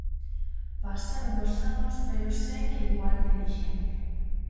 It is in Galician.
Pasaron os anos, pero segue igual de vixente.